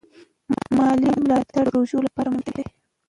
مالي ملاتړ د پروژو لپاره مهم دی.